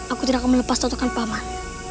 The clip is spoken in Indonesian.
aku tidak akan melepas tontokan paman